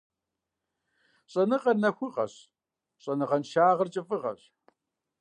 Щӏэныгъэр нэхугъэщ, щӏэныгъэншагъэр кӏыфӏыгъэщ.